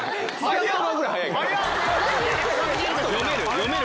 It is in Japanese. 読める？